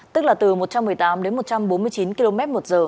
tức là từ một trăm một mươi tám đến một trăm bốn mươi chín km một giờ